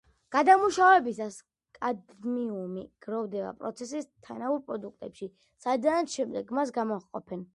გადამუშავებისას კადმიუმი გროვდება პროცესის თანაურ პროდუქტებში, საიდანაც შემდეგ მას გამოჰყოფენ.